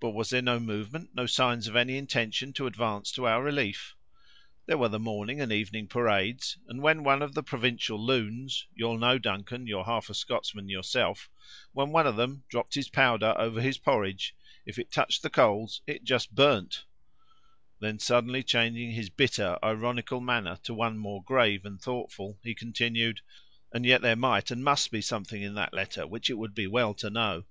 "But was there no movement, no signs of any intention to advance to our relief?" "There were the morning and evening parades; and when one of the provincial loons—you'll know, Duncan, you're half a Scotsman yourself—when one of them dropped his powder over his porretch, if it touched the coals, it just burned!" Then, suddenly changing his bitter, ironical manner, to one more grave and thoughtful, he continued: "and yet there might, and must be, something in that letter which it would be well to know!"